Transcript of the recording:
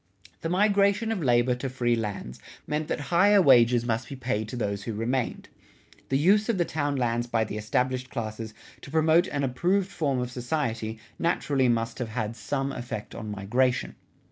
The migration of labor to free lands meant that higher wages must be paid to those who remained. The use of the town lands by the established classes to promote an approved form of society naturally must have had some effect on migration.